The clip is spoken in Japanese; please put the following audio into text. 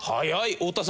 太田さん